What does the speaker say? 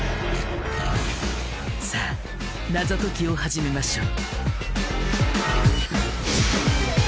さあ謎解きを始めましょう。